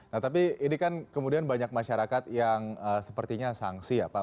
nah tapi ini kan kemudian banyak masyarakat yang sepertinya sangsi ya pak